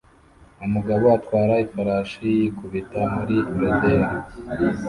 Umugabo atwara ifarashi yikubita muri rodeo